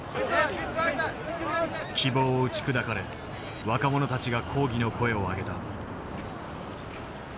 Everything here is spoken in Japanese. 希望を打ち砕かれ若者たちが抗議の声を上げた。